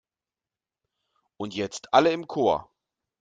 Und jetzt alle im Chor!